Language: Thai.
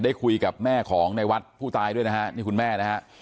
ได้คุยกับแม่ของในวัดผู้ตายด้วยนะฮะนี่คุณแม่นะฮะ